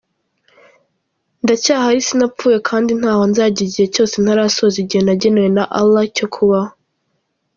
Ndacyahari sinapfuye kandi ntaho nzajya igihe cyose ntarasoza igihe nagenewe na Allah cyo kubaho.